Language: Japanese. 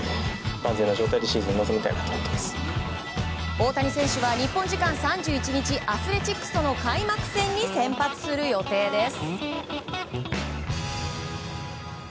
大谷選手は日本時間３１日アスレチックスとの開幕戦に先発する予定です。